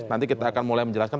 nanti kita akan mulai menjelaskan